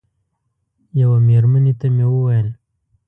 یوه مېرمنې ته مې وویل.